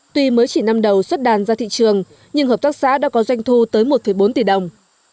tuy mới chỉ năm đầu xuất đàn ra thị trường nhưng hợp tác xã đã có doanh thu tới một bốn tỷ đồng